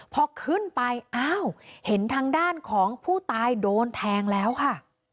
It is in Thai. พอขึ้นไปอ้าวเห็นทางด้านของผู้ตายโดนแทงแล้วค่ะ